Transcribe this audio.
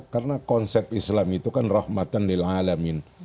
karena konsep islam itu kan rahmatan lil'alamin